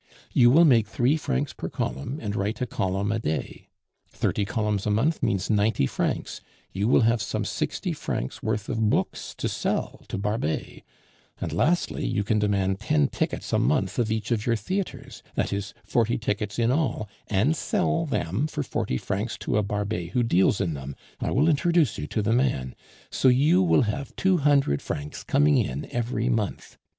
You will make three francs per column and write a column a day thirty columns a month means ninety francs; you will have some sixty francs worth of books to sell to Barbet; and lastly, you can demand ten tickets a month of each of your theatres that is, forty tickets in all and sell them for forty francs to a Barbet who deals in them (I will introduce you to the man), so you will have two hundred francs coming in every month.